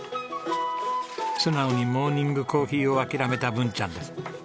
素直にモーニングコーヒーを諦めた文ちゃんです。